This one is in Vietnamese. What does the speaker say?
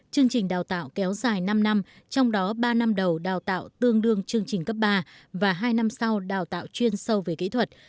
chương trình đào tạo kéo dài năm năm trong đó ba năm đầu đào tạo tương đương chương trình cấp ba và hai năm sau đào tạo chuyên sâu về kỹ thuật